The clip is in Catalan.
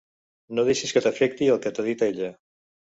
No deixis que t'afecti el que t'ha dit ella.